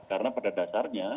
karena pada dasarnya